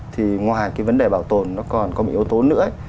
thì ngoài cái vấn đề bảo tồn nó còn có một yếu tố nữa